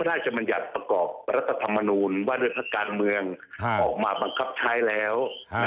มัญญัติประกอบรัฐธรรมนูญว่าด้วยพักการเมืองออกมาบังคับใช้แล้ว